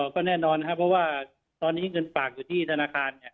ก็แน่นอนครับเพราะว่าตอนนี้เงินฝากอยู่ที่ธนาคารเนี่ย